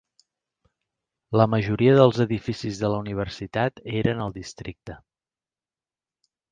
La majoria dels edificis de la universitat eren al districte.